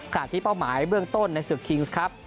ที่เป้าหมายเบื้องต้นในศึกคิงส์ครับ